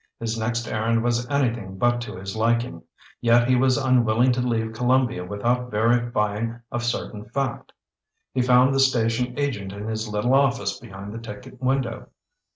His next errand was anything but to his liking. Yet he was unwilling to leave Columbia without verifying a certain fact. He found the station agent in his little office behind the ticket window.